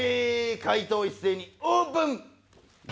解答を一斉にオープン！